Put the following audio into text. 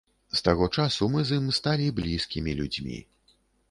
З таго часу мы з ім сталі блізкімі людзьмі.